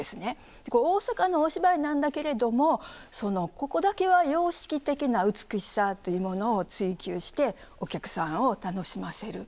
これ大阪のお芝居なんだけれどもここだけは様式的な美しさというものを追求してお客さんを楽しませる。